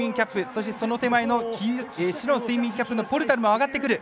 そしてその手前の白のスイミングキャップのポルタルも上がってくる。